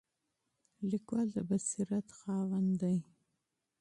لیکوال د بصیرت خاوند دی.